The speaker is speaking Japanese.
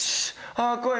ああ怖い。